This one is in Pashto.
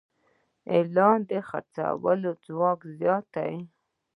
اعلان د خرڅلاو ځواک زیاتوي.